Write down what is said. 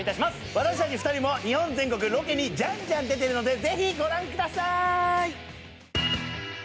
私たち２人も日本全国ロケにじゃんじゃん出てるので是非ご覧ください。